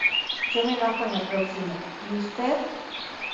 Yo me bajo en la próxima, ¿y usted?